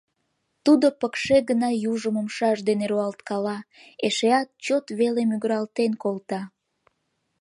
— Тудо пыкше гына южым умшаж дене руалткала, эшеат чот веле мӱгыралтен колта.